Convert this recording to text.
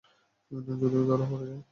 যদি ধরা পড়ে যাই?